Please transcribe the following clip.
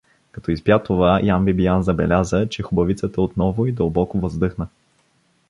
Като изпя това, Ян Бибиян забеляза, че хубавицата отново и дълбоко въздъхна.